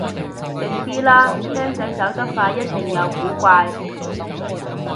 靜啲啦，僆仔走得快一定有古怪